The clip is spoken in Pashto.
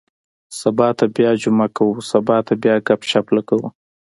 سبا ته بیا جمعه کُو. سبا ته بیا ګپ- شپ لګوو.